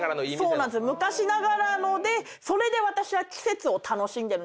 昔ながらのでそれで私は季節を楽しんでるんですよ。